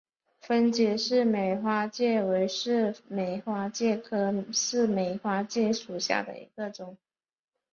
分解似美花介为似美花介科似美花介属下的一个种。